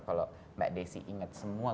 kalau mbak desy inget semua